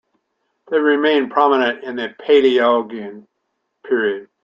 They remained prominent in the Palaiologan period.